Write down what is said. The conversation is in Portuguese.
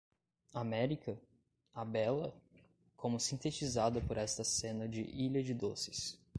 América?, a bela?, como sintetizada por esta cena de ilha de doces.